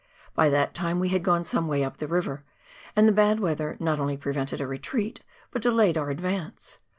By that time we had gone some way up the river, and the bad weather not only prevented a retreat, but delayed our advance.